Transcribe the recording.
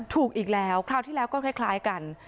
อีกแล้วคราวที่แล้วก็คล้ายกัน